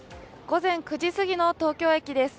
午前９時すぎの東京駅です。